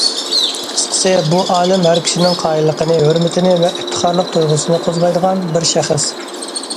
قىسقىسى، بۇ ئالىم ھەر كىشىنىڭ قايىللىقىنى، ھۆرمىتىنى ۋە ئىپتىخارلىق تۇيغۇسىنى قوزغايدىغان بىر شەخس.